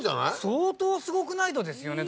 相当すごくないとですよね